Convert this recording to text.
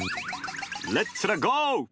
レッツらゴー！